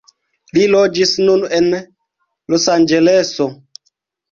Li loĝis nun en Losanĝeleso.